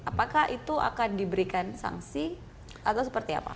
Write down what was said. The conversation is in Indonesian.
apakah itu akan diberikan sanksi atau seperti apa